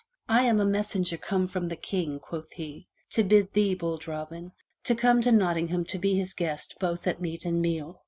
'*I am a messenger come from the King," quoth he, "to bid thee, bold Robin, come to Nottingham to be his guest both at meat and meal."